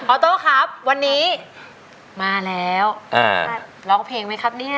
อโต้ครับวันนี้มาแล้วร้องเพลงไหมครับเนี่ย